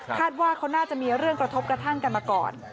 ว่าเขาน่าจะมีเรื่องกระทบกระทั่งกันมาก่อน